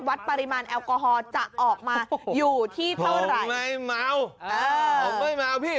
ใช่แล้วท้ายที่สุดพอมาดู